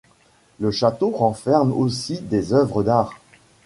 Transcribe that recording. Le château renferme aussi des œuvres d’art.